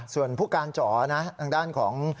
ส่วนผู้การจ๋อนะทางด้านของ